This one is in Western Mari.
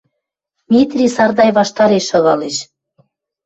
Митри Сардай ваштареш шагалеш.